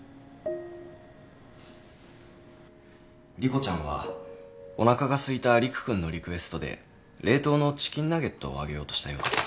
莉子ちゃんはおなかがすいた理玖君のリクエストで冷凍のチキンナゲットを揚げようとしたようです。